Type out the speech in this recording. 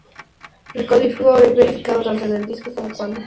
El código es verificado tanto en el disco como cuando se está ejecutando.